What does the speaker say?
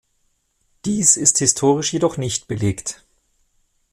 Dies ist historisch jedoch nicht belegt.